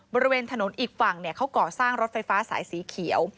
บริเวณถนนอีกฝั่งเขาก่อสร้างรถไฟฟ้าสายสีเขียว